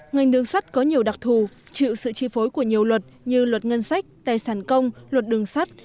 ngành đường sắt có nhiều đặc thù chịu sự chi phối của nhiều luật như luật ngân sách tài sản công luật đường sắt